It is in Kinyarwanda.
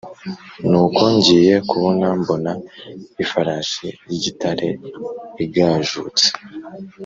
Nuko, ngiye kubona mbona ifarashi y’igitare igajutse,